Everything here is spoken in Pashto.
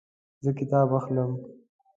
زه کتاب اخلم